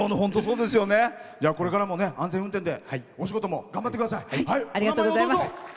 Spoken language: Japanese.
これからも安全運転でお仕事も頑張ってください。